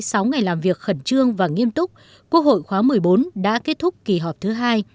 ngày hai mươi ba tháng một mươi một sau hai mươi sáu ngày làm việc khẩn trương và nghiêm túc quốc hội khóa một mươi bốn đã kết thúc kỳ họp thứ hai